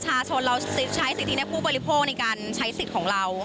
เขาควรได้รับสินในการทำมาหากิน